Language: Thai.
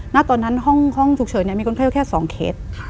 น่าตอนนั้นห้องฉุกเฉินเนี่ยมีคนไข้ก็แค่สองเคส